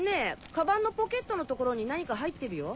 カバンのポケットの所に何か入ってるよ？